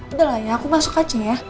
udah lah ya aku masuk aceh ya